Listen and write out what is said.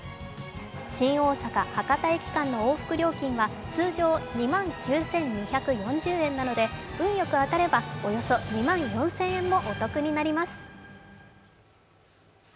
新大阪−博多駅間の往復料金は通常２万９２４０円なので運よく当たれば、およそ２万４０００円もお得になります。